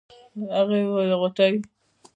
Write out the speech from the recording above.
هغې وويل غوټۍ.